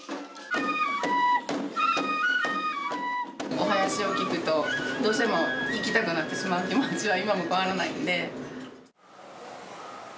お囃子を聞くと、どうしても行きたくなってしまう気持ちは、今も変わらないので。